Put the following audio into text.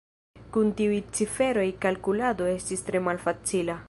Kun tiuj ciferoj kalkulado estis tre malfacila.